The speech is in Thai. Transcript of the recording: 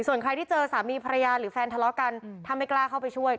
ส่วนใครที่เจอสามีภรรยาหรือแฟนทะเลาะกันถ้าไม่กล้าเข้าไปช่วย